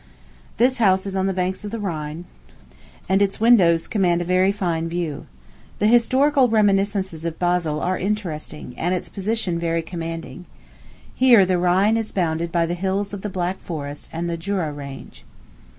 This house is on the banks of the Rhine, and its windows command a very fine view. The historical reminiscences of Basle are interesting, and its position very commanding. Here the Rhine is bounded by the hills of the Black Forest and the Jura range.